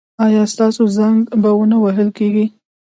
ایا ستاسو زنګ به و نه وهل کیږي؟